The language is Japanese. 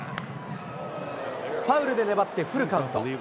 ファウルで粘ってフルカウント。